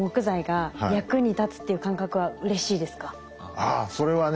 ああそれはね